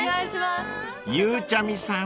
［ゆうちゃみさん